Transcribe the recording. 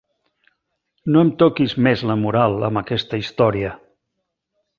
No em toquis més la moral amb aquesta història.